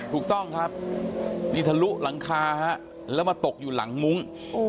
ถูกต้องครับนี่ทะลุหลังคาฮะแล้วมาตกอยู่หลังมุ้ง